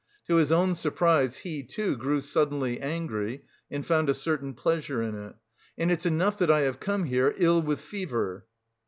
To his own surprise he, too, grew suddenly angry and found a certain pleasure in it. "And it's enough that I have come here ill with fever."